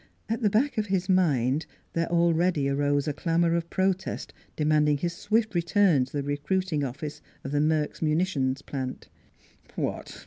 At the back of his mind there already arose a clamor of protest demanding his swift return to the re cruiting office of the Merks Munitions Plant. ' What